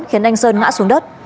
khiến anh sơn ngã xuống đất